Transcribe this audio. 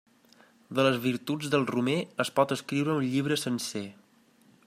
De les virtuts del romer es pot escriure un llibre sencer.